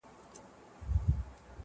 خو په زړو کي غلیمان د یوه بل دي.!